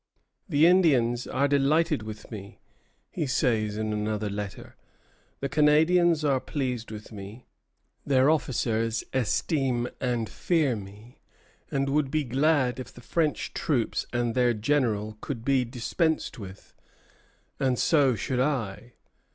"The Indians are delighted with me," he says in another letter; "the Canadians are pleased with me; their officers esteem and fear me, and would be glad if the French troops and their general could be dispensed with; and so should I."